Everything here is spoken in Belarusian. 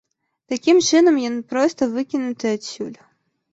Такім чынам ён проста выкінуты адсюль.